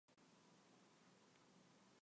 乌牛栏之役。